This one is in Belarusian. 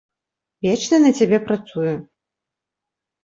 Вечна на цябе працую.